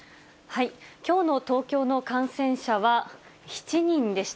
きょうの東京の感染者は７人でした。